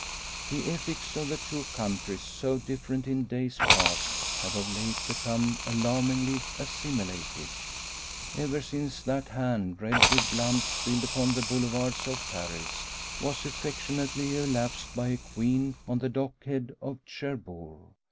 The ethics of the two countries, so different in days past, have of late become alarmingly assimilated ever since that hand, red with blood spilled upon the boulevards of Paris, was affectionately elapsed by a Queen on the dock head of Cherbourg.